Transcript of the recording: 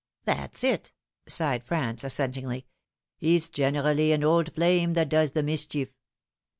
" That's it," sighed Franz assentingly. " It's generally an old flame that does the mischief.